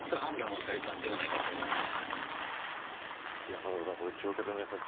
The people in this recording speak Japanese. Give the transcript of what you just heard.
円香さん、乗客の皆さん